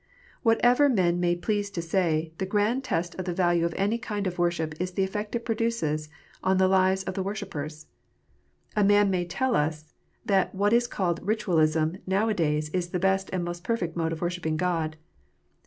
Whatever men may please to say, the grand test of the value of any kind of worship is the effect it produces on the lives of the worshippers. A man may tell us that what is called Ritualism now a days is the best and most perfect mode of worshipping God.